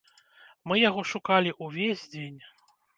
Мы яго шукалі увесь дзень.